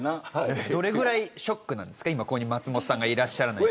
どれぐらいショックなんですか今、松本さんがいないこと。